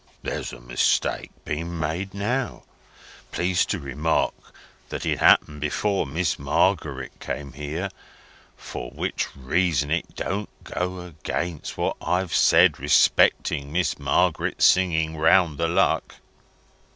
There's a mistake been made now. Please to remark that it happened before Miss Margaret came here. For which reason it don't go against what I've said respecting Miss Margaret singing round the luck.